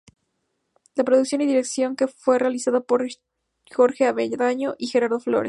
La producción y dirección fue realizada por Jorge Avendaño y Gerardo Flores..